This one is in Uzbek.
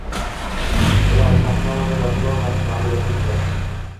“Real” “Kamp Nou”da “Barselona”ni mag‘lubiyatga uchratdi